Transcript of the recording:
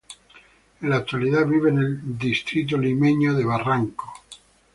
En la actualidad vive en el distrito limeño de Barranco.